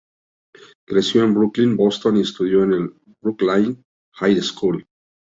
Creció en Brookline, Boston, y estudió en el "Brookline High School".